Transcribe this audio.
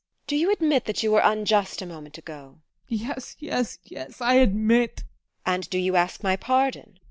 TEKLA. Do you admit that you were unjust a moment ago? ADOLPH. Yes, yes, yes, yes, I admit! TEKLA. And do you ask my pardon?